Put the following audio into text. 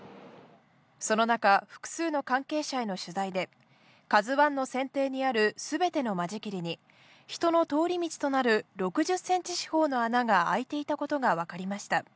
その中、複数の関係者への取材で、ＫＡＺＵＩの船底にあるすべての間仕切りに、人の通り道となる６０センチ四方の穴が開いていたことが分かりました。